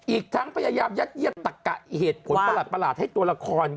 อีกทั้งพยายามยัดเยียดตะกะเหตุผลประหลาดให้ตัวละคร